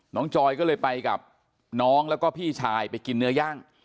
จอยก็เลยไปกับน้องแล้วก็พี่ชายไปกินเนื้อย่าง